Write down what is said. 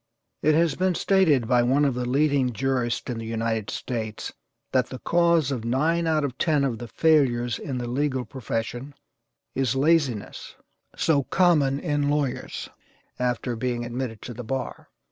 It has been stated by one of the leading jurists in the United States that the cause of nine out of ten of the failures in the legal profession is laziness, so common in lawyers, after being admitted to the bar.